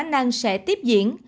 nhiều khả năng sẽ tiếp diễn